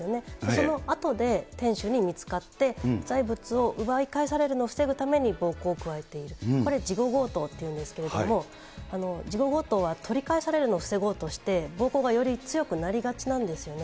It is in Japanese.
そのあとで店主に見つかって、財物を奪い返されるのを防ぐために、暴行を加えている、これ事後強盗っていうんですけれども、事後強盗は、取り返されるのを防ごうとして、暴行がより強くなりがちなんですよね。